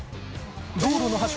道路の端は。